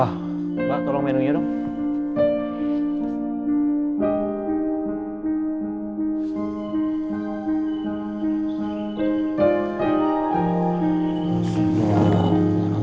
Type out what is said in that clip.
ah mbak tolong menu nya dong